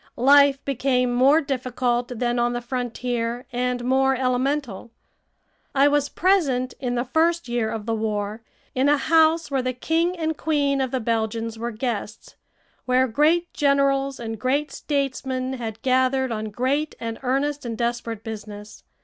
Life became more difficult than on the frontier, and more elemental. I was present, in the first year of the war, in a house where the King and Queen of the Belgians were guests, where great generals and great statesmen had gathered on great and earnest and desperate business.